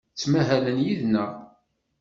Ttmahalen yid-neɣ.